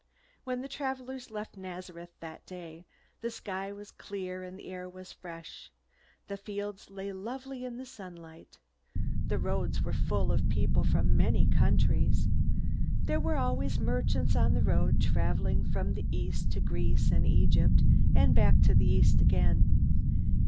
When the travelers left Nazareth that day, the sky was clear and the air was fresh. The fields lay lovely in the sunlight. The roads were full of people from many countries. There were always merchants on the road traveling from the East to Greece and Egypt, and back to the East again.